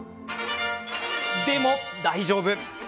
でも、大丈夫！